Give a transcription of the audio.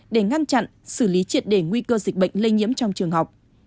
để ngăn chặn xử lý triệt đề nguy cơ dịch bệnh lây nhiễm trong trường học